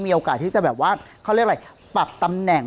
มีโอกาสที่จะแบบว่าเขาเรียกอะไรปรับตำแหน่ง